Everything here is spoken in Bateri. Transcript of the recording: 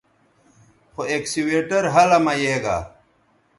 خو اکسویٹر ھلہ مہ یے گا